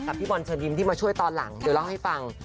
พี่บอลเชิญยิ้มที่มาช่วยตอนหลังเดี๋ยวเล่าให้ฟัง